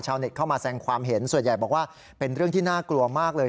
เข้ามาแสงความเห็นส่วนใหญ่บอกว่าเป็นเรื่องที่น่ากลัวมากเลย